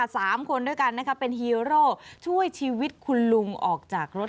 สามคนด้วยกันนะคะเป็นฮีโร่ช่วยชีวิตคุณลุงออกจากรถ